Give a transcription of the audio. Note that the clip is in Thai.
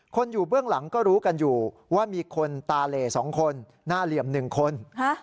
อยู่เบื้องหลังก็รู้กันอยู่ว่ามีคนตาเหล๒คนหน้าเหลี่ยม๑คน